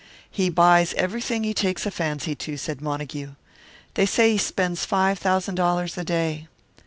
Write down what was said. "He buys everything he takes a fancy to," said Montague. "They say he spends five thousand dollars a day.